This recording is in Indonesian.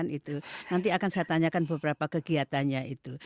jadi saya akan menanyakan beberapa kegiatannya itu